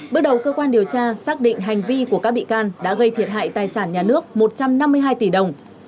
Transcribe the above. bước đầu cơ quan điều tra xác định hành vi của các bị can đã gây thiệt hại tài sản nhà nước một trăm năm mươi hai tỷ đồng